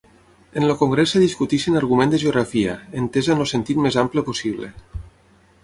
En el congrés es discuteixen argument de geografia, entesa en el sentit més ampli possible.